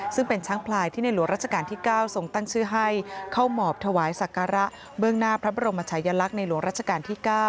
ซึ่งเป็นช้างพลายที่ในหลวงราชการที่๙ทรงตั้งชื่อให้เข้าหมอบถวายศักระเบื้องหน้าพระบรมชายลักษณ์ในหลวงราชการที่๙